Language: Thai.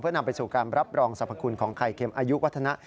นำไปสู่การรับรองสรรพคุณของไข่เข็มอายุวัฒนะ